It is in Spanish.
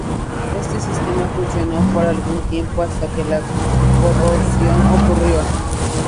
Este sistema funcionó por algún tiempo hasta que la corrosión ocurrió.